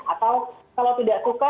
atau kalau tidak suka